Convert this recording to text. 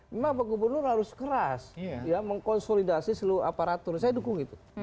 memang pak gubernur harus keras ya mengkonsolidasi seluruh aparatur saya dukung itu